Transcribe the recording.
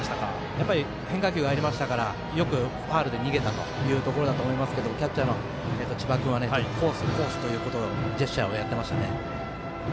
やっぱり変化球が合いましたから、よくファウルで逃げたということだと思いますがキャッチャーの千葉君はコース、コースとジェスチャーをやっていましたね。